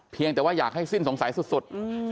เพียงแต่ว่าอยากให้สิ้นสงสัยสุด